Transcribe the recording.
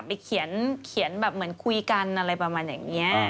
ไปเขียนแบบเหมือนคุยกันอะไรประมาณอย่างนี้